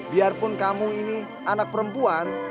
biarpun kamu ini anak perempuan